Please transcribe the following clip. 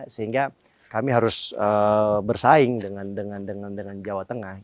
sehingga kami harus bersaing dengan jawa tengah